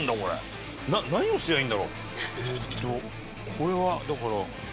これはだから。